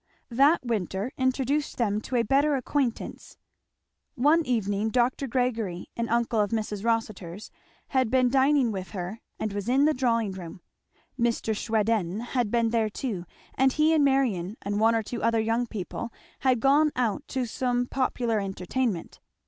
That winter introduced them to a better acquaintance. One evening Dr. Gregory, an uncle of Mrs. Rossitur's, had been dining with her and was in the drawing room. Mr. Schweden had been there too, and he and Marion and one or two other young people had gone out to some popular entertainment.